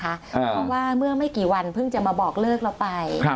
เพราะว่าเมื่อไม่กี่วันเพิ่งจะมาบอกเลิกเราไป